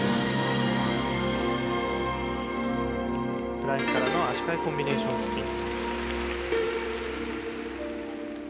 フライングからの足換えコンビネーションスピン。